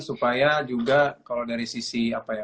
supaya juga kalau dari sisi apa ya